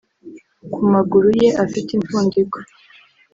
ku amaguru ye afite impfundiko